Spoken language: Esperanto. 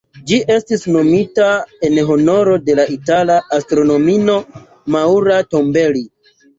Ĝi estis nomita en honoro de la itala astronomino Maura Tombelli.